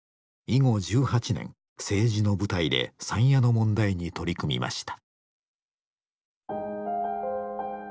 以後１８年政治の舞台で山谷の問題に取り組みました。